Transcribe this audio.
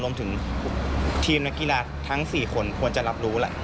รวมถึงทีมนักกีฬาทั้ง๔คนควรจะรับรู้แล้ว